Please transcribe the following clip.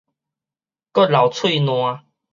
閣流喙瀾